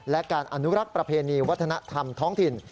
และการอนุรักษ์ประเพณีวัฒนธรรมท้องถิ่น